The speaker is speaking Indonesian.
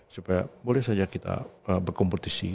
supaya boleh saja kita berkompetisi